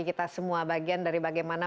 kita semua bagian dari bagaimana